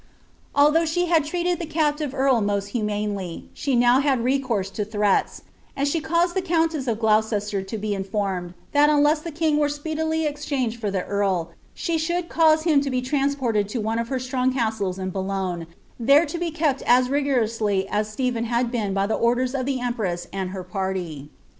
Although she had treated the captive earl most hu manely, she now had recourse to threats ; and she caused the countess of Gloucester to be informed, that unless the king were speedily exchanged for the earl, she should cause him to be transported to one of her strong castles in Boulogne,' there to be kept as rigorously as Ste 9hen had been by the orders cf the empress and her party.